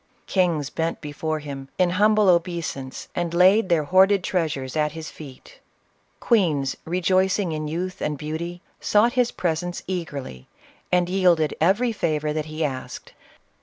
Kings bent before him, in humble obeisance, and laid their CLEOPATRA. 31 hoarded treasures at his feet Queens, rejoicing in youth and beauty, sought his presence eagerly, and yielded every favor that he asked.